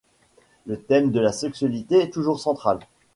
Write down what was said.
Le thème de la sexualité est toujours central.